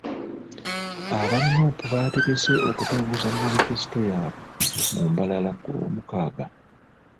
Aba Nuupu bategese okutongoza Manifesito yaabwe mu Mbarara ku Lwomukaaga.